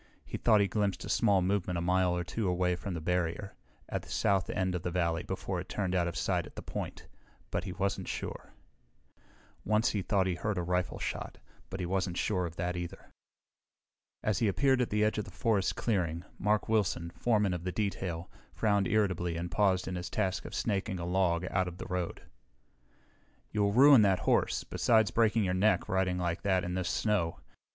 He thought he glimpsed a small movement a mile or two away from the barrier, at the south end of the valley before it turned out of sight at the point, but he wasn't sure. Once he thought he heard a rifle shot, but he wasn't sure of that, either. As he appeared at the edge of the forest clearing, Mark Wilson, foreman of the detail, frowned irritably and paused in his task of snaking a log out to the road. "You'll ruin that horse, besides breaking your neck, riding like that in this snow.